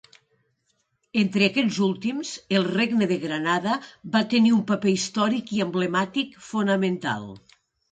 Entre aquests últims, el Regne de Granada va tenir un paper històric i emblemàtic fonamental.